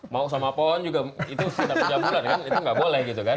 mau sama pon juga itu sudah pencabulan kan itu nggak boleh gitu kan